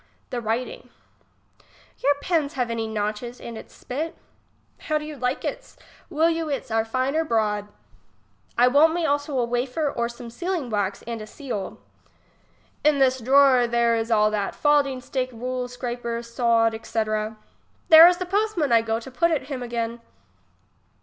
l^lic ivriting. Your pens have any notches, and its spit. How do you like its ? will you its are fine or broad? I won't me also a wafer or some sealing wax and a seal. In this drawer, there is all that, falding stick, rule, scraper, saud, etc. There is the postman I go to put it him again.